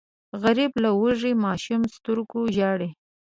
غریب له وږي ماشوم سترګو ژاړي